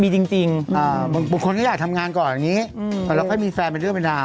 มีจริงบางคนก็อยากทำงานก่อนอย่างนี้เราค่อยมีแฟนเป็นเรื่องเป็นราว